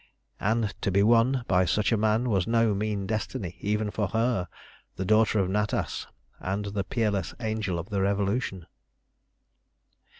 And to be won by such a man was no mean destiny, even for her, the daughter of Natas, and the peerless Angel of the Revolution.